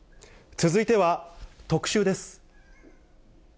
続いては特集です。